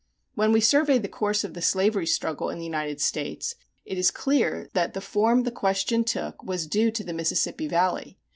When we survey the course of the slavery struggle in the United States it is clear that the form the question took was due to the Mississippi Valley.